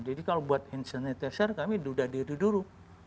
jadi kalau buat insenitaser kami dudah diri dulu